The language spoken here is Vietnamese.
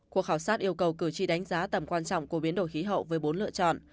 cuộc khảo sát yêu cầu cử tri đánh giá tầm quan trọng của biến đổi khí hậu với bốn lựa chọn